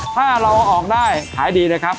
ถ้าเราออกได้ขายดีนะครับ